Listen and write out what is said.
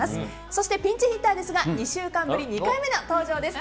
そして、ピンチヒッターですが２週間ぶり２回目の登場です